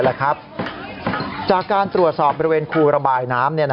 ตัวสอบแบบเมืองคู่ระบายน้ำ